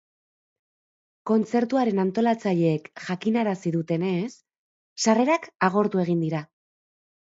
Kontzertuaren antolatzaileek jakinarazi dutenez, sarrerak agortu egin dira.